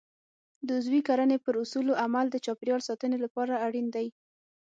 د عضوي کرنې پر اصولو عمل د چاپیریال ساتنې لپاره اړین دی.